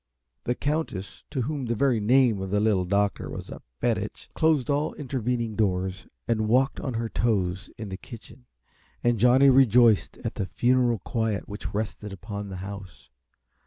The Countess, to whom the very name of the Little Doctor was a fetich, closed all intervening doors and walked on her toes in the kitchen, and Johnny rejoiced at the funeral quiet which rested upon the house.